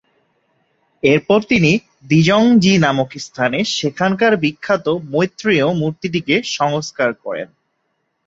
এরপর তিনি 'দ্জিং-জি নামক স্থানে সেখানকার বিখ্যাত মৈত্রেয় মূর্তিটিকে সংস্কার করেন।